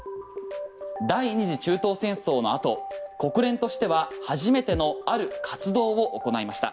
第２次中東戦争の後国連としては初めてのある活動を行いました。